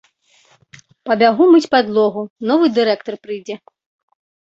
Пабягу мыць падлогу, новы дырэктар прыйдзе.